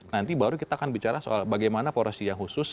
nanti baru kita akan bicara soal bagaimana porosi yang khusus